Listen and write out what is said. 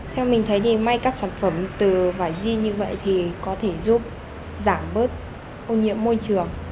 theo mình thấy thì may cắt sản phẩm từ vải jean như vậy thì có thể giúp giảm bớt ô nhiễm môi trường